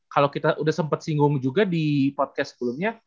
kalau kita sudah sempat singgung juga di podcast sebelumnya